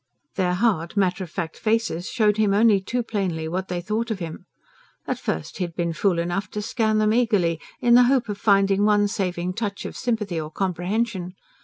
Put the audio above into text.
Their hard, matter of fact faces showed him only too plainly what they thought of him. At first he had been fool enough to scan them eagerly, in the hope of finding one saving touch of sympathy or comprehension.